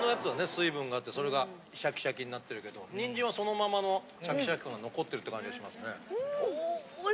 水分があってそれがシャキシャキになってるけどにんじんはそのままのシャキシャキ感が残ってるって感じがしますね。